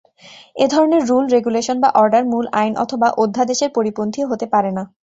এধরনের rule, regulation বা order মূল আইন অথবা অধ্যাদেশের পরিপন্থী হতে পারেনা।